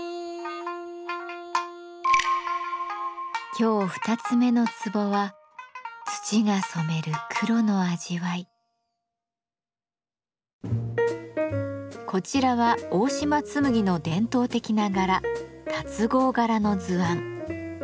今日二つ目のツボはこちらは大島紬の伝統的な柄龍郷柄の図案。